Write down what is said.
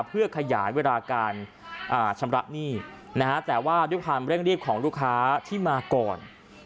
เพื่อขยายเวลาการชำระหนี้นะฮะแต่ว่าด้วยความเร่งรีบของลูกค้าที่มาก่อน